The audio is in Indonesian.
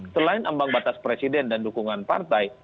selain ambang batas presiden dan dukungan partai